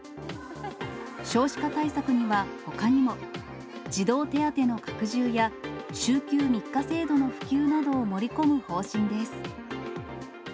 少子化対策には、ほかにも。児童手当の拡充や、週休３日制度の普及などを盛り込む方針です。